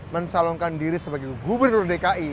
mencalonkan diri sebagai gubernur dki